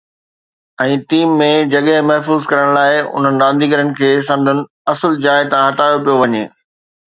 ۽ team ۾ جڳهه محفوظ ڪرڻ لاءِ انهن رانديگرن کي سندن اصل جاءِ تان هٽايو پيو وڃي